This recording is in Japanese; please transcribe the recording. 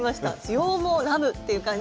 羊毛ラブっていう感じ。